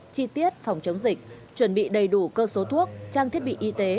chi tiết phòng chống dịch chuẩn bị đầy đủ cơ số thuốc trang thiết bị y tế